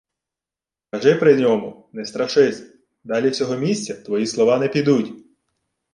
— Кажи при ньому, не страшись. Далі сього місця твої слова не підуть.